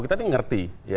kita ini mengerti